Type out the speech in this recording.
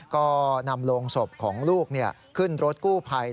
ก็นำโรงศพของลูกขึ้นรถกู้ภัย